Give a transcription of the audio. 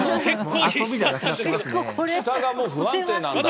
下がもう不安定なんだ、相当。